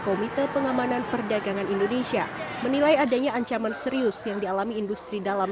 komite pengamanan perdagangan indonesia menilai adanya ancaman serius yang dialami industri dalam